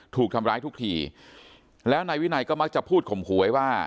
ถูกทำร้ายทุกทีแล้วนายวินัยก็มักจะพูดข่มขู่ไว้ว่า